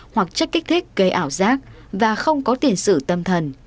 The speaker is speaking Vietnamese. hoặc chất kích thích gây ảo giác và không có tiền sự tâm thần